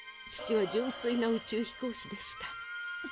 父は純粋な宇宙飛行士でした。